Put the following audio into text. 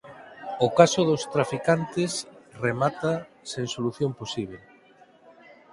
O caso dos traficantes remata sen solución posíbel.